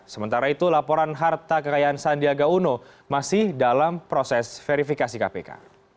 sementara itu laporan harta kekayaan sandiaga uno masih dalam proses verifikasi kpk